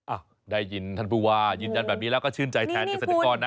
อ่ะได้ยินท่านผู้ว่ายืนยันแบบนี้แล้วก็ชื่นใจแทนเกษตรกรนะ